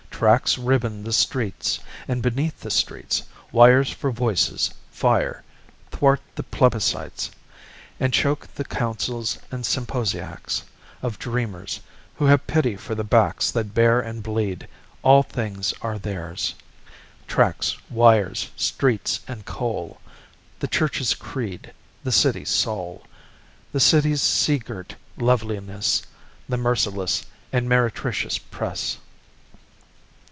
Tracks ribbon the streets, and beneath the streets Wires for voices, fire, thwart the plebiscites, And choke the counsels and symposiacs Of dreamers who have pity for the backs That bear and bleed. All things are theirs: tracks, wires, streets and coal, The church's creed, The city's soul, The city's sea girt loveliness, The merciless and meretricious press.